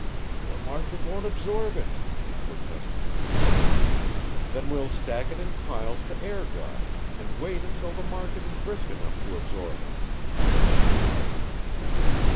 "The market won't absorb it," he protested. "Then we'll stack it in piles to air dry and wait until the market is brisk enough to absorb it," Bryce replied.